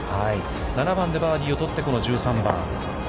７番でバーディーを取って、１３番。